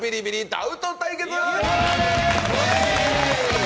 ダウト対決！」